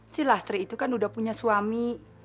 si lastri itu kan udah punya suami